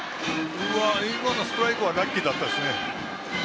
今のストライクはラッキーでしたね。